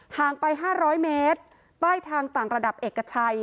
ห่างไป๕๐๐เมตรใต้ทางต่างระดับเอกชัย